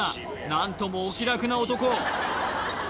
何ともお気楽な男